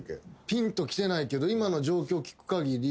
ぴんときてないけど今の状況を聞くかぎり。